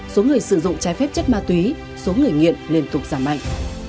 số người sử dụng trái phép chất ma túy số người nghiện liên tục giảm mạnh